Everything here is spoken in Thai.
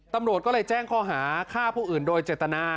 ตำรวจก็เลยแจ้งข้อหาฆ่าผู้อื่นโดยเจตนา